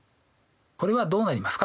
これはどうなりますか？